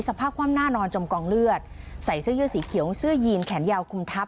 สภาพความหน้านอนจมกองเลือดใส่เสื้อยืดสีเขียวเสื้อยีนแขนยาวคุมทัพ